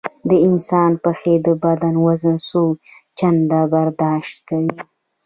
د انسان پښې د بدن وزن څو چنده برداشت کوي.